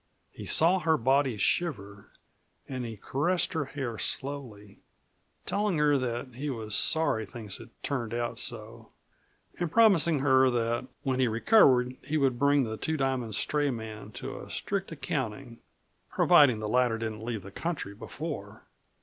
He saw her body shiver, and he caressed her hair slowly, telling her that he was sorry things had turned out so, and promising her that when he recovered he would bring the Two Diamond stray man to a strict accounting providing the latter didn't leave the country before.